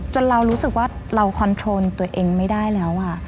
เรารู้สึกว่าเราคอนโทรลตัวเองไม่ได้แล้วค่ะ